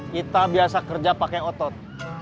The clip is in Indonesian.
kita biasa kerja pakai otot